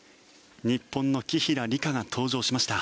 日本の紀平梨花が登場しました。